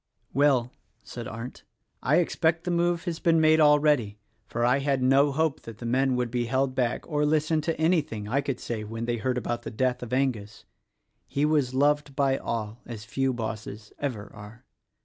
"Well," said Arndt, "I expect the move has been made, already; for I had no hope that the men would be held back or listen to anything I could say when they heard about the death of Angus: he was loved by all as few bosses ever are.